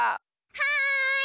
はい！